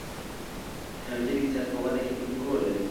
ټکنالوجي د اقتصاد په وده کې مهم رول لري.